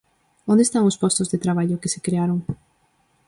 ¿Onde están os postos de traballo que se crearon?